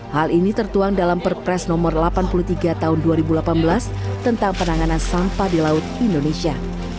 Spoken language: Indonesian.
hal ini tertuang dalam perpres nomor delapan puluh tiga tahun dua ribu delapan belas tentang penanganan sampah di laut indonesia